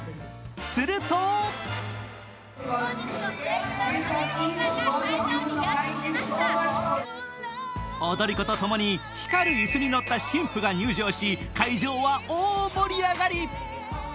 すると踊り子とともに光るいすに乗った新婦が入場し会場は大盛り上がり！